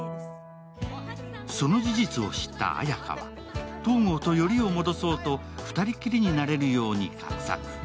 その事実を知った綾華は東郷とよりを戻そうと２人きりになれるように画策。